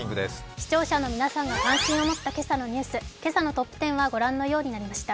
視聴者の皆さんが関心を持った今朝のニュース、今朝のトップ１０はご覧のようになりました。